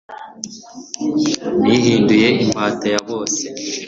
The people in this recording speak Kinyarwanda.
nihinduye imbata ya bose.»